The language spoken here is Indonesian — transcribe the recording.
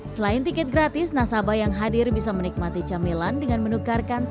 selain tiket gratis nasabah yang hadir bisa menikmati camilan dengan menukarkan